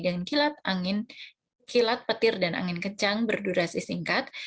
dengan kilat petir dan angin kencang berdurasi singkat